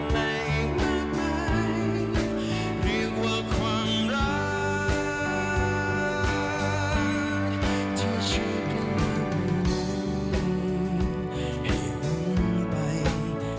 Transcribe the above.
มีอีกหลายคนเชื่อในสิ่งเหล่านี้